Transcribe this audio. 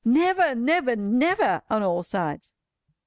never! never!" on all sides.